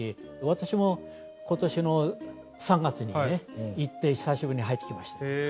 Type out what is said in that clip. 私も今年の３月に行って久しぶりに入ってきましたよ。